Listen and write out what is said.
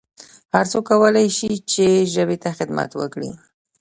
هرڅوک کولای سي چي ژبي ته خدمت وکړي